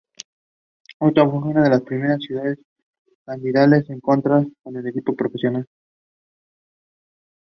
Ottawa fue una de las primeras ciudades canadienses en contar con un equipo profesional.